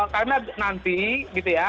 karena nanti gitu ya